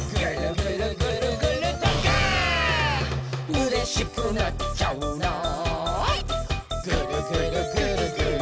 「うれしくなっちゃうなーっあっ